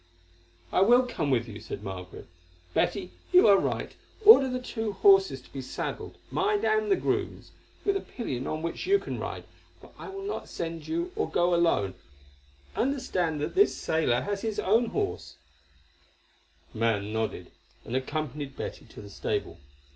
"I will come with you," said Margaret. "Betty, you are right; order the two horses to be saddled, mine and the groom's, with a pillion on which you can ride, for I will not send you or go alone, understand that this sailor has his own horse." The man nodded, and accompanied Betty to the stable.